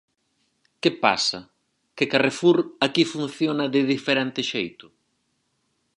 ¿Que pasa?, ¿que Carrefour aquí funciona de diferente xeito?